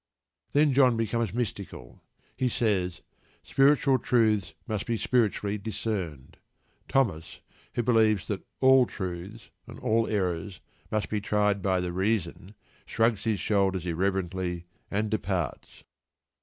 Then John becomes mystical. He says: "Spiritual truths must be spiritually discerned." Thomas, who believes that all truths, and all errors, must be tried by the reason, shrugs his shoulders irreverently, and departs.